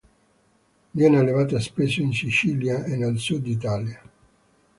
Viene allevata spesso in Sicilia e nel sud Italia.